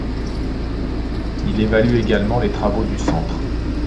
Il évalue également les travaux du centre.